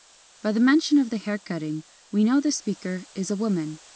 By the mention of the hair cutting we know the speaker is a woman.